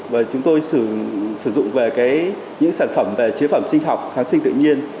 và chúng tôi sử dụng về những sản phẩm về chế phẩm sinh học kháng sinh tự nhiên